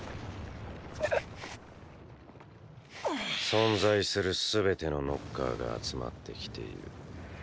存在する全てのノッカーが集まってきている。